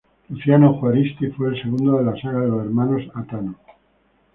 Luciano Juaristi fue el segundo de la saga de los hermanos "Atano".